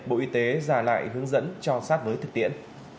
bộ y tế ra lại hướng dẫn cho sát mới thực tiễn